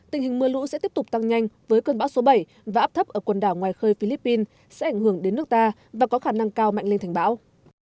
tình hình mưa lũ sẽ tiếp tục tăng nhanh với cơn bão số bảy và áp thấp ở quần đảo ngoài khơi philippines sẽ ảnh hưởng đến nước ta và có khả năng cao mạnh lên thành bão